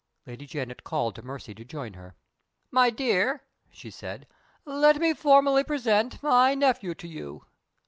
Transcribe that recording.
Lady Janet called to Mercy to join her. "My dear," she said, "let me formally present my nephew to you.